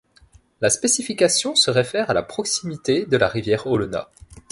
La spécification se réfère à la proximité de la rivière Olona.